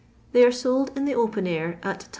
They are sold in the open air, at 2d.